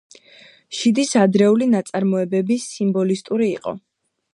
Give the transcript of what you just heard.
ჟიდის ადრეული ნაწარმოებები სიმბოლისტური იყო.